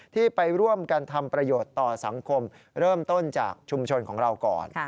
ที่ไปร่วมกันทำประโยชน์ต่อสังคมเริ่มต้นจากชุมชนของเราก่อน